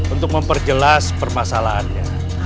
untuk memperjelas permasalahannya